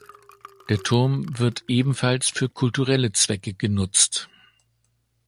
Der Turm wird ebenfalls für kulturelle Zwecke genutzt.